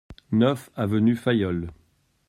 neuf avenue Fayolle